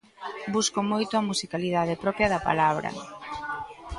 Busco moito a musicalidade propia da palabra.